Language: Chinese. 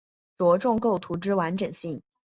着重构图之完整性